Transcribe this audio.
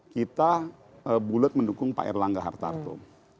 kita bulet mendukung pak erlangga hartarto